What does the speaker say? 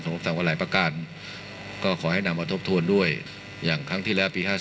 ทรงมีลายพระราชกระแสรับสู่ภาคใต้